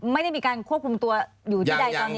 ไม่ได้มีการควบคุมตัวอยู่ที่ใดตอนนี้